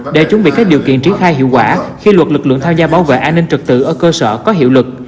để chuẩn bị các điều kiện triển khai hiệu quả khi luật lực lượng tham gia bảo vệ an ninh trật tự ở cơ sở có hiệu lực